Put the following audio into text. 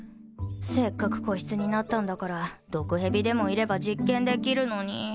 せっかく個室になったんだから毒蛇でもいれば実験できるのに。